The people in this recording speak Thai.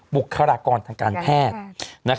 บุคลากรทางการแพทย์